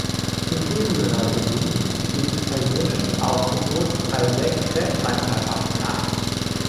Zudem gehörte sie dem italienischen Aufgebot bei sechs Weltmeisterschaften an.